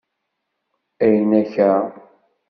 Ayyen akka!?